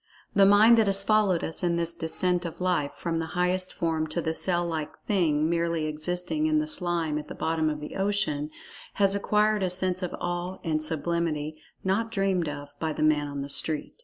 The mind that has followed us in this descent of life, from the highest form to the cell like "thing" merely "existing" in the slime at the bottom of the ocean, has acquired a sense of awe and sublimity not dreamed of by "the man on the street."